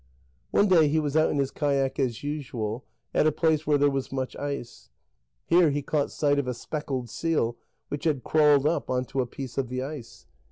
One day he was out in his kayak as usual at a place where there was much ice; here he caught sight of a speckled seal, which had crawled up on to a piece of the ice.